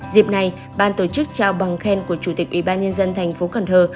dịp này ban tổ chức trao bằng khen của chủ tịch ủy ban nhân dân tp cần thơ